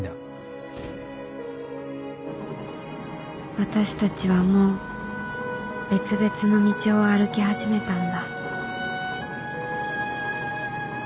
私たちはもう別々の道を歩き始めたんだ